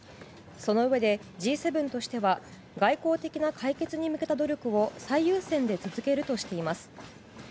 そのうえでＧ７としては外交的な解決に向けた努力を最優先で続けるとしています。